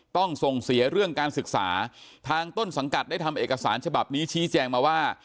ต้องส่งเสียเรื่องการศึกษาทางต้นสังกัดได้ทำเอกสารฉบับนี้ชี้แจงมาว่า